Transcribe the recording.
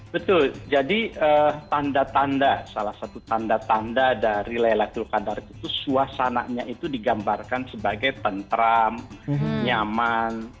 betul jadi tanda tanda salah satu tanda tanda dari laylatul qadar itu suasananya itu digambarkan sebagai tentram nyaman